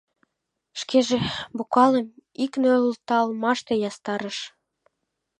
Шкеже бокалым ик нӧлталмаште ястарыш.